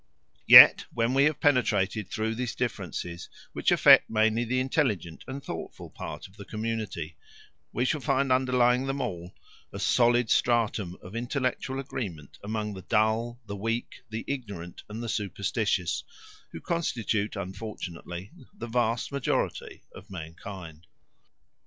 Yet when we have penetrated through these differences, which affect mainly the intelligent and thoughtful part of the community, we shall find underlying them all a solid stratum of intellectual agreement among the dull, the weak, the ignorant, and the superstitious, who constitute, unfortunately, the vast majority of mankind.